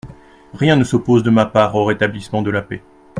»Rien ne s'oppose de ma part au rétablissement de la paix.